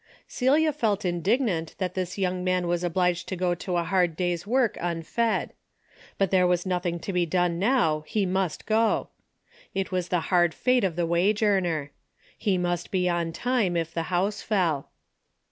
Celia felt indignant that this young man was obliged to go to a hard day's work unfed. But there was nothing to be done now, he must go. It was the hard fate of the wage earner. He must be on time, if the house fell.